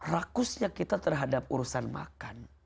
rakusnya kita terhadap urusan makan